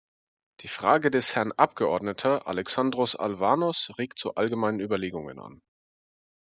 Die Frage des Herrn Abgeordneter Alexandros Alavanos regt zu allgemeinen Überlegungen an.